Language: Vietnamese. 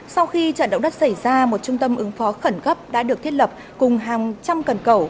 sau khi trận động đất xảy ra một trung tâm ứng phó khẩn cấp đã được thiết lập cùng hàng trăm cần cầu